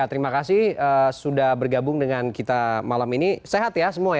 terima kasih sudah bergabung dengan kita malam ini sehat ya semua ya